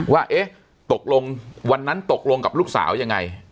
ว่าเอ๊ะตกลงวันนั้นตกลงกับลูกสาวยังไง